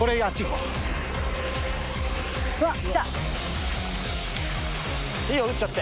うわっ。